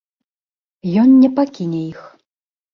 Ён не пакіне іх.